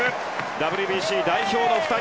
ＷＢＣ代表の２人。